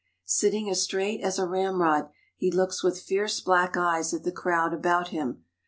Sitting as straight as a ramrod, he looks with fierce black eyes at the crowd about him.